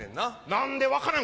何で分からん？